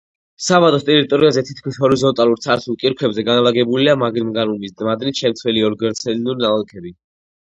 საბადოს ტერიტორიაზე თითქმის ჰორიზონტალურ ცარცულ კირქვებზე განლაგებულია მანგანუმის მადნის შემცველი ოლიგოცენური ნალექები.